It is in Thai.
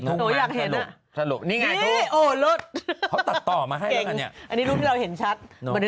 นี่นี่นี่นี่นี่นี่นี่นี่